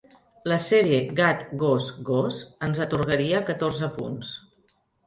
La sèrie gat-got-gos ens atorgaria catorze punts.